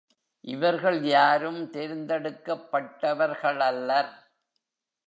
இவர்கள் யாரும் தேர்ந்தெடுக்கப் பட்டவர்களல்லர்.